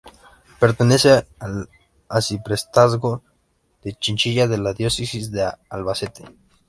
Pertenece al arciprestazgo de Chinchilla de la diócesis de Albacete.